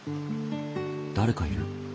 誰かいる。